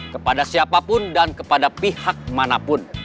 kepada siapapun dan kepada pihak manapun